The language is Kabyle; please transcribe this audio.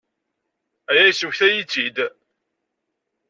Aya yesmektay-iyi-tt-id.